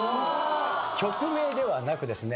曲名ではなくですね